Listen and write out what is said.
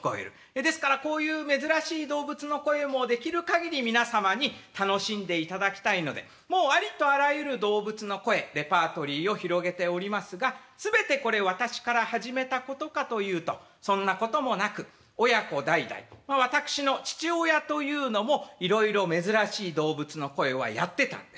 ですからこういう珍しい動物の声もできるかぎり皆様に楽しんでいただきたいのでもうありとあらゆる動物の声レパートリーを広げておりますが全てこれ私から始めたことかというとそんなこともなく親子代々私の父親というのもいろいろ珍しい動物の声はやってたんです。